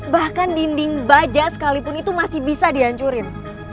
bahkan dinding baja sekalipun itu masih bisa dihancurin